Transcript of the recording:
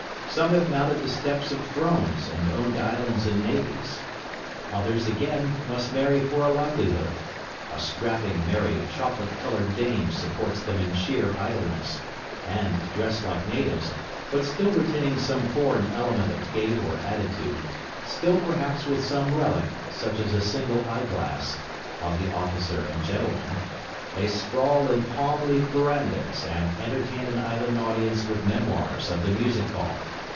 Some have mounted the steps of thrones and owned islands and navies. Others again must marry for a livelihood; a strapping, merry, chocolate coloured dame supports them in sheer idleness; and, dressed like natives, but still retaining some foreign element of gait or attitude, still perhaps with some relic (such as a single eye glass) of the officer and gentleman, they sprawl in palm leaf verandahs and entertain an island audience with memoirs of the music hall.